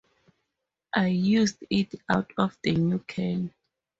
I used it out of the new can.